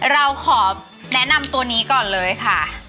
เราขอแนะนำตัวนี้ก่อนเลยค่ะ